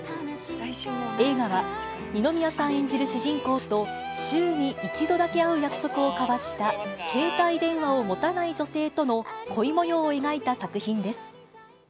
映画は、二宮さん演じる主人公と、週に１度だけ会う約束を交わした、携帯電話を持たない女性との恋もようを描いた作品です。